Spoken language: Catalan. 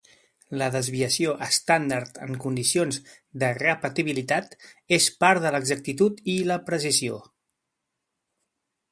La desviació estàndard en condicions de repetibilitat és part de l’exactitud i la precisió.